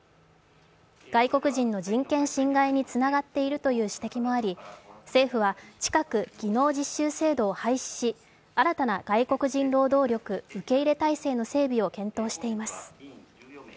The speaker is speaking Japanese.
外国人の人権侵害につながっているという指摘もあり政府は近く技能実習制度を廃止し新たな外国人労働力受け入れ態勢の整備を検討しています。